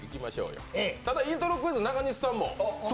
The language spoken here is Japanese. ただ、イントロクイズは中西さんも？